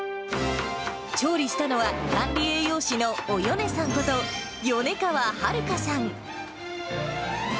調理したのは、管理栄養士のおよねさんこと、米川春香さん。